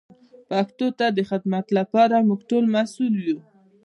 پښتو ته د خدمت لپاره موږ ټول مسئول یو.